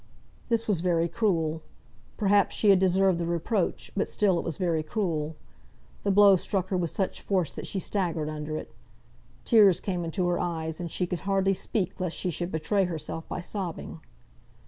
This was very cruel. Perhaps she had deserved the reproach, but still it was very cruel. The blow struck her with such force that she staggered under it. Tears came into her eyes, and she could hardly speak lest she should betray herself by sobbing.